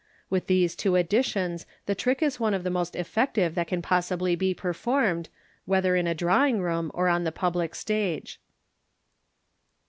With these two additions the trick is one of the most effec tive that can possibly be performed, whether in a drawing room or o^ the public stage.